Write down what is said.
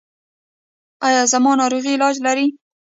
ایا زما ناروغي علاج لري؟